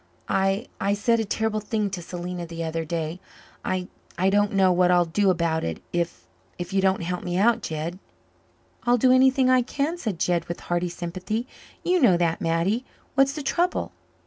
"I I said a terrible thing to Selena the other day. I I don't know what I'll do about it if if you don't help me out, Jed." "I'll do anything I can," said Jed, with hearty sympathy. "You know that, Mattie. What is the trouble?"